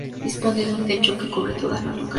Dispone de un techo que cubre todas las localidades.